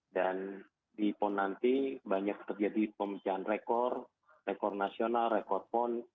dan di pon nanti banyak terjadi pembicaraan rekor rekor nasional rekor pon